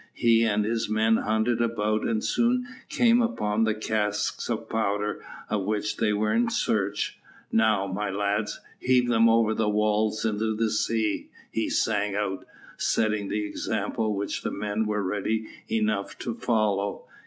He and his men hunted about and soon came upon the casks of powder of which they were in search. "Now, my lads, heave them over the walls into the sea," he sang out, setting the example which the men were ready enough to follow.